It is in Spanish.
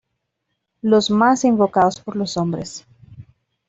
Los más invocados por los hombres.